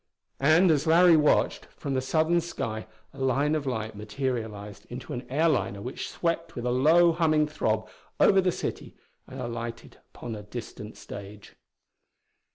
And as Larry watched, from the southern sky a line of light materialized into an airliner which swept with a low humming throb over the city and alighted upon a distant stage.